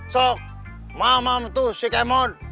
sok mamam tuh si kemon